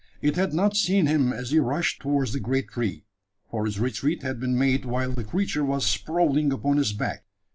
It had not seen him as he rushed towards the great tree: for his retreat had been made while the creature was sprawling upon its back.